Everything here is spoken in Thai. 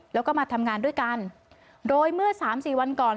แล้วก็มาทำงานด้วยกันโดยเมื่อสามสี่วันก่อน